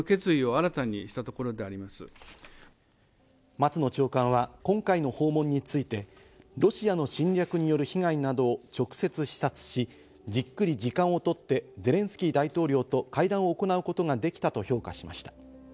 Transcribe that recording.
松野長官は今回の訪問について、ロシアの侵略による被害などを直接、視察し、じっくり時間を取ってゼレンスキー大統領と会談を行うことができたと評価しました。